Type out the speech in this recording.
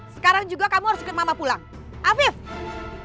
sekarang juga kamu harus sadar dong bella itu sudah meninggal udah gak ada